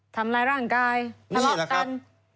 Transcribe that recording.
ทำร้ายร่างกายฮะรักฐานนี่เหรอครับ